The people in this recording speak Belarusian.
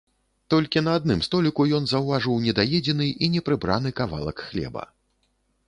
Толькі на адным століку ён заўважыў недаедзены і непрыбраны кавалак хлеба.